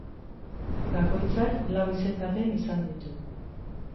Bakoitzak lau izendapen izan ditu.